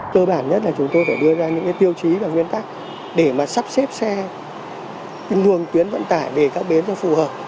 tơ bản nhất là chúng tôi phải đưa ra những tiêu chí và nguyên tắc để mà sắp xếp xe lương tuyến vận tải về các bến cho phù hợp